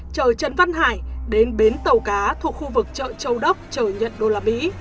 chở trần văn hải đến bến tàu cá thuộc khu vực chợ châu đốc chở nhận đô la mỹ